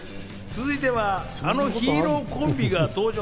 続いては、あのヒーローコンビが登場。